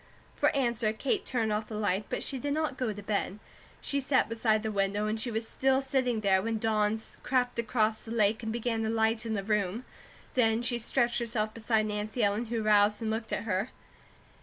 For answer Kate turned off the light; but she did not go to bed. She sat beside the window and she was still sitting there when dawn crept across the lake and began to lighten the room. Then she stretched herself beside Nancy Ellen, who roused and looked at her.